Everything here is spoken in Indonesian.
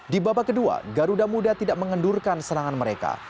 di babak kedua garuda muda tidak mengendurkan serangan mereka